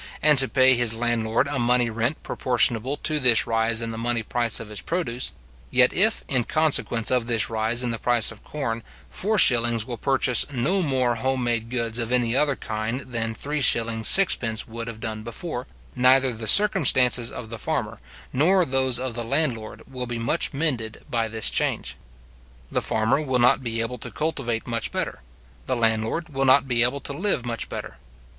and to pay his landlord a money rent proportionable to this rise in the money price of his produce; yet if, in consequence of this rise in the price of corn, 4s. will purchase no more home made goods of any other kind than 3s. 6d. would have done before, neither the circumstances of the farmer, nor those of the landlord, will be much mended by this change. The farmer will not be able to cultivate much better; the landlord will not be able to live much better.